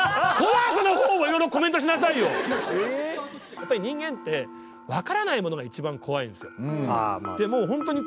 やっぱり人間って分からないものが一番怖いんですよ。